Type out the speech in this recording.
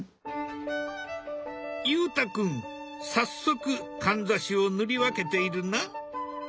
裕太君早速かんざしを塗り分けているな。